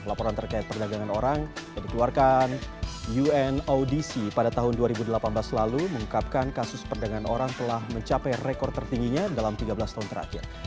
laporan terkait perdagangan orang yang dikeluarkan unodc pada tahun dua ribu delapan belas lalu mengungkapkan kasus perdagangan orang telah mencapai rekor tertingginya dalam tiga belas tahun terakhir